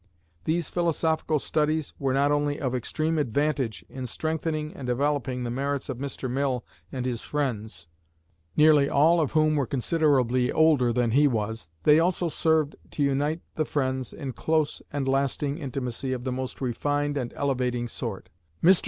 These philosophical studies were not only of extreme advantage in strengthening and developing the merits of Mr. Mill and his friends, nearly all of whom were considerably older than he was, they also served to unite the friends in close and lasting intimacy of the most refined and elevating sort. Mr.